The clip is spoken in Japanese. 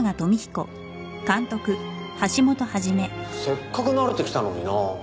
せっかく慣れてきたのになあ。